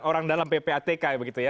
orang dalam ppatk begitu ya